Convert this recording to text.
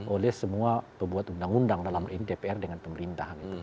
oleh semua pembuat undang undang dalam dpr dengan pemerintah